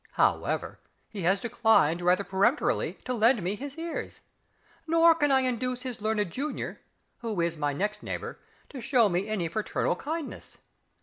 However, he has declined rather peremptorily to lend me his ears, nor can I induce his learned junior, who is my next neighbour, to show me any fraternal kindness.